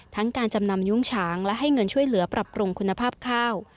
การจำนำยุ้งฉางและให้เงินช่วยเหลือปรับปรุงคุณภาพข้าว